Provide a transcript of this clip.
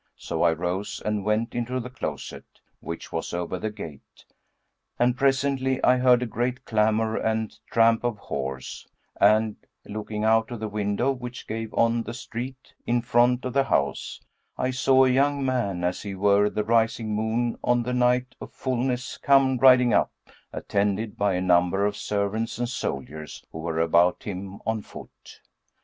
So I rose and went into the closet, which was over the gate, and presently I heard a great clamour and tramp of horse; and, looking out of the window which gave on the street in front of the house, I saw a young man as he were the rising moon on the night of fulness come riding up attended by a number of servants and soldiers who were about him on foot.